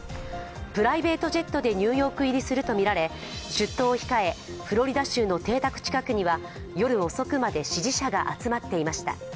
プライベートジェットでニューヨーク入りするとみられ出頭を控え、フロリダ州の邸宅近くには夜遅くまで支持者が集まっていました。